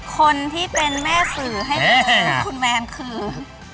คนที่เป็นแม่สื่อให้เป็นคุณแมนคือ